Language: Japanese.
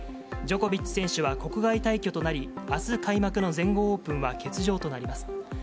ジョコビッチ選手は国外退去となり、あす開幕の全豪オープンは欠場となります。